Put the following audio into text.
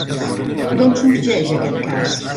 D'on sorgeix aquest cas?